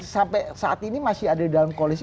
sampai saat ini masih ada di dalam koalisi